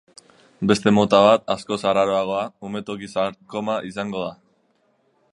Beste mota bat, askoz arraroagoa, umetoki sarkoma izango da.